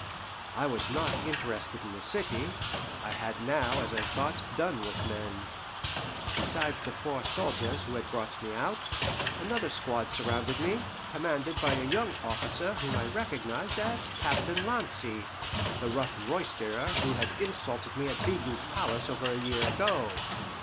I was not interested in the city; I had now, as I thought, done with men. Besides the four soldiers who had brought me out, another squad surrounded me, commanded by a young officer whom I recognized as Captain Lancy, the rough roysterer who had insulted me at Bigot's palace over a year ago.